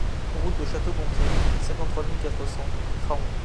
Route de Château Gontier, cinquante-trois mille quatre cents Craon